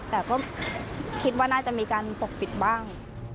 แต่ก็คิดว่าน่าจะมีการปกปิดบ้าง